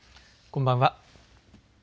こんばんは。